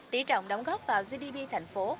tỷ trọng đóng góp vào gdp thành phố một hai